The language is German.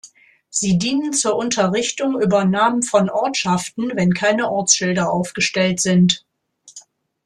Sie dienen zur Unterrichtung über Namen von Ortschaften, wenn keine Ortsschilder aufgestellt sind.